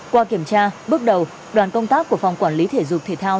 qua kiểm tra bước đầu đoàn công tác của phòng quản lý thể dục thể thao